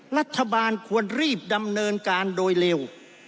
รัฐบาลควรรีบดำเนินการโดยเร็ว